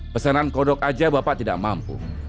pesanan kodok aja bapak tidak mampu